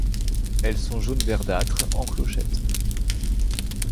Elles sont jaune verdâtre, en clochettes.